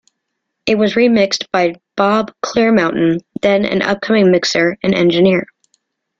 It was remixed by Bob Clearmountain, then an upcoming mixer and engineer.